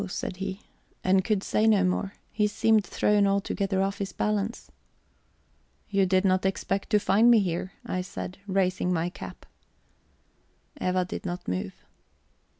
said he, and could say no more; he seemed thrown altogether off his balance. "You did not expect to find me here," I said, raising my cap. Eva did not move.